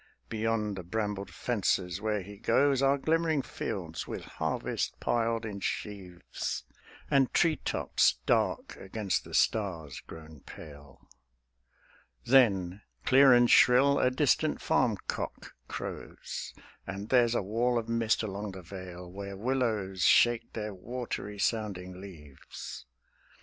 Beyond the brambled fences where he goes Are glimmering fields with harvest piled in sheaves, And tree tops dark against the stars grown pale; Then, clear and shrill, a distant farm cock crows; And there's a wall of mist along the vale Where willows shake their watery sounding leaves.